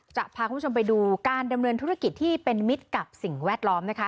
จะพาคุณผู้ชมไปดูการดำเนินธุรกิจที่เป็นมิตรกับสิ่งแวดล้อมนะคะ